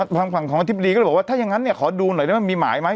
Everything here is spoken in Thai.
ทางฝั่งของอธิบดีก็เลยบอกว่าถ้าอย่างนั้นเนี่ยขอดูหน่อยได้ไหมมีหมายไหม